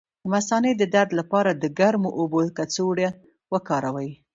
د مثانې د درد لپاره د ګرمو اوبو کڅوړه وکاروئ